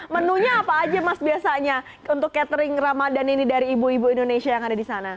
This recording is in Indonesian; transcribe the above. menunya apa aja mas biasanya untuk catering ramadhan ini dari ibu ibu indonesia yang ada di sana